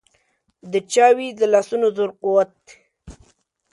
د چا وي د لاسونو زور قوت.